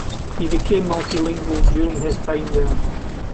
He became multilingual during his time there.